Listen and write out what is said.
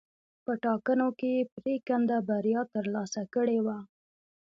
په ټاکنو کې یې پرېکنده بریا ترلاسه کړې وه.